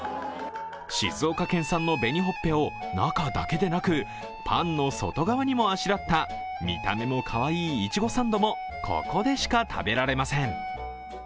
静岡県産の紅ほっぺを中だけでなくパンの外側にもあしらった見た目もかわいいいちごサンドもここでしか食べられません。